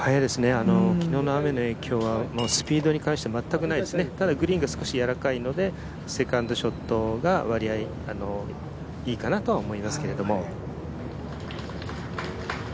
昨日の雨の影響はスピードに関しては全くないですね、ただ、グリーンが少しやわらかいのでセカンドショットが割合、いいかなとは思いますけど。